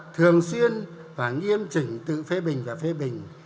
thường xuyên và nghiêm chỉnh tự phê bình và phê bình